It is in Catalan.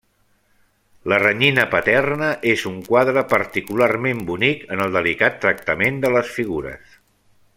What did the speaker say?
La renyina paterna és un quadre particularment bonic en el delicat tractament de les figures.